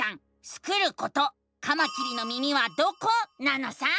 スクること「カマキリの耳はどこ？」なのさ！